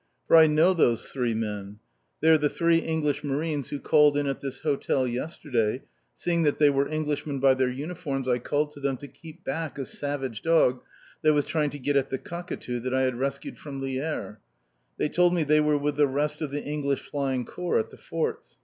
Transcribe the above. For I know those three men; they are the three English Marines who called in at this hotel yesterday; seeing that they were Englishmen by their uniforms I called to them to keep back a savage dog that was trying to get at the cockatoo that I had rescued from Lierre. They told me they were with the rest of the English Flying Corps at the forts.